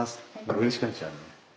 うれしくなっちゃうね。